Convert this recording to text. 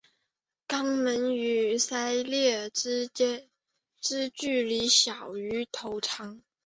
肛门至鳃裂之距离小于头长。